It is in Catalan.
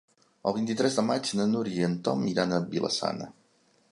El vint-i-tres de maig na Núria i en Tom iran a Vila-sana.